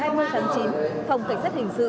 ngày hai mươi tháng chín phòng cảnh sát hình sự